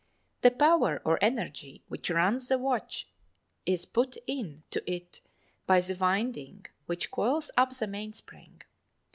The power or energy which runs the watch is put in to it by the winding which coils up the mainspring.